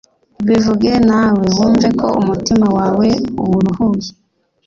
bivuge nawe wumve ko umutima wawe uwuruhuye